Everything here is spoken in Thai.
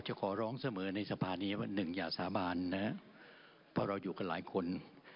หนึ่งอย่าสาบานนะเพราะเราอยู่กับหลายคน